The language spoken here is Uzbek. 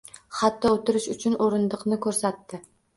Hatto, o`tirish uchun o`rindiqni ko`rsatdi